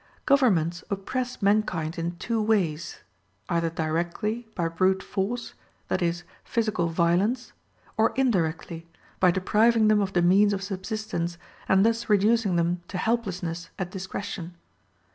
Governments oppress mankind in two ways, either directly, by brute force, that is physical violence, or indirectly, by depriving them of the means of subsistence and thus reducing them to helplessness at discretion.